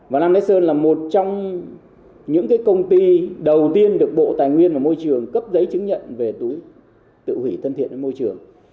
và nam đại sơn là một trong những công ty đầu tiên được bộ tài nguyên và môi trường cấp giấy chứng nhận về túi tự hủy thân thiện với môi trường